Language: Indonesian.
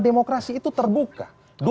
demokrasi itu terbuka dua puluh empat